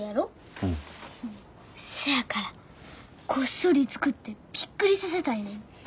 せやからこっそり作ってびっくりさせたいねん。